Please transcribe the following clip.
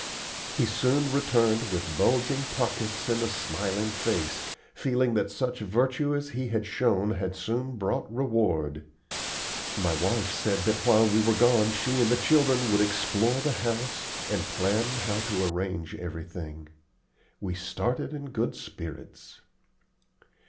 He soon returned with bulging pockets and a smiling face, feeling that such virtue as he had shown had soon brought reward. My wife said that while we were gone she and the children would explore the house and plan how to arrange everything. We started in good spirits.